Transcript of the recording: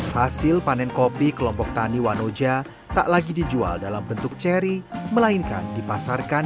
hasil panen kopi kelompok taniwanoja tak lagi dijual dalam bentuk cherry melainkan dipasarkan